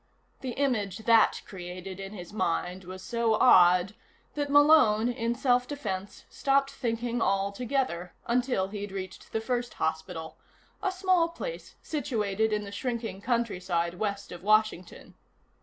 The image that created in his mind was so odd that Malone, in self defense, stopped thinking altogether until he'd reached the first hospital, a small place situated in the shrinking countryside West of Washington.